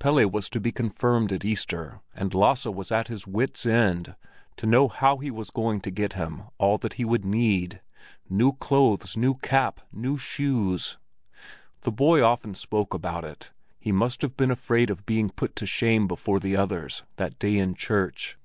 Pelle was to be confirmed at Easter, and Lasse was at his wits' end to know how he was going to get him all that he would need—new clothes, new cap, new shoes! The boy often spoke about it; he must have been afraid of being put to shame before the others that day in church.